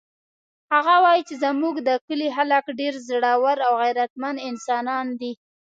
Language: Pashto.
هغه وایي چې زموږ د کلي خلک ډېر زړور او غیرتمن انسانان دي